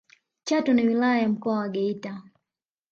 chato ni wilaya ya mkoa wa geita